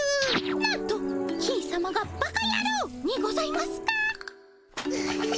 なんと金さまが「バカやろう」にございますか。